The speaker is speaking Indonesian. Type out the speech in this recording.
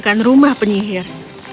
dia menjelaskan rumah penyihir